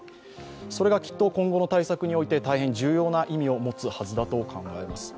それがきっと今後の対策において、大変重要な意味を持つはずだと考えます。